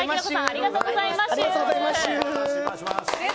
ありがとうございまっしゅ！